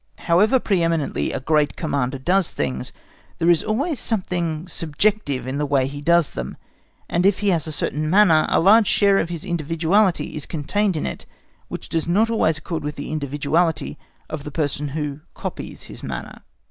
However pre eminently a great Commander does things, there is always something subjective in the way he does them; and if he has a certain manner, a large share of his individuality is contained in it which does not always accord with the individuality of the person who copies his manner.